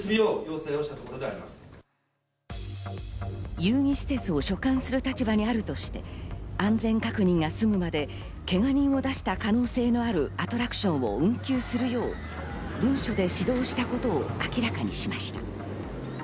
遊技施設を所管する立場にあるとして安全確認が済むまでけが人を出した可能性のあるアトラクションを運休するよう文書で指導したことを明らかにしました。